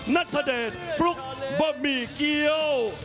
นัทธเดชฟลุกบะหมี่เกี้ยว